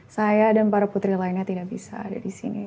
saya dan para putri lainnya tidak bisa ada di sini